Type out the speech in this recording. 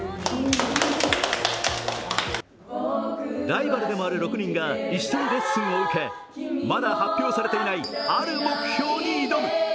ライバルでもある６人が一緒にレッスンを受け、まだ発表されていないある目標に挑む。